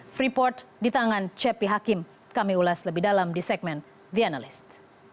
freeport di tangan cepi hakim kami ulas lebih dalam di segmen the analyst